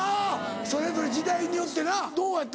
それぞれ時代によってなどうやった？